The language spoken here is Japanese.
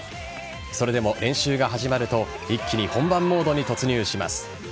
それでも、練習が始まると一気に本番モードに突入します。